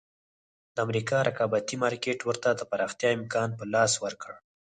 د امریکا رقابتي مارکېټ ورته د پراختیا امکان په لاس ورکړ.